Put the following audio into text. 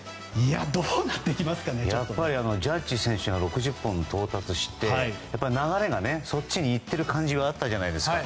やっぱりジャッジ選手が６０本到達して流れがそっちにいっている感じがあったじゃないですか。